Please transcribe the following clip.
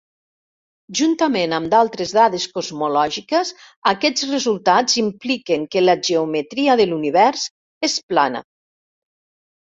Juntament amb altres dades cosmològiques, aquests resultats impliquen que la geometria de l'univers és plana.